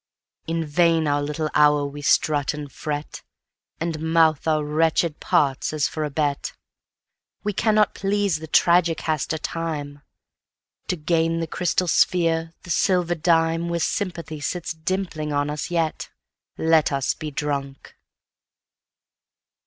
In vain our little hour we strut and fret, And mouth our wretched parts as for a bet: We cannot please the tragicaster Time. To gain the crystal sphere, the silver dime, Where Sympathy sits dimpling on us yet, Let us be drunk!